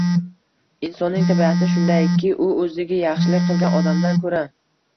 Insonning tabiati shundayki, u o‘ziga yaxshilik qilgan odamdan ko‘ra